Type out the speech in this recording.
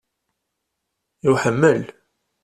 I uḥemmel?